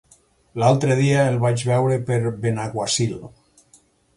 L'altre dia el vaig veure per Benaguasil.